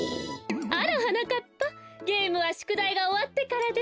あらはなかっぱゲームはしゅくだいがおわってからでしょ。